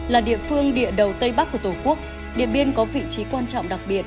là địa phương địa đầu tây bắc của tổ quốc điện biên có vị trí quan trọng đặc biệt